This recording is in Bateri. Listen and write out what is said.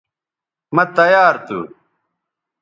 مہ تیار تھو